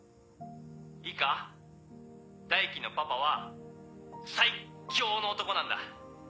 いいか大樹のパパは最強の男なんだ。